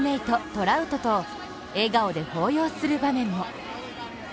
トラウトと笑顔で抱擁する場面も。